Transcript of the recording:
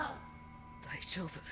大丈夫。